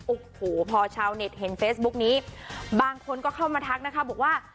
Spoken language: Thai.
โอ้โหพอชาวเน็ตเห็นเฟซบุ๊กนี้บางคนก็เข้ามาทักนะคะบอกว่า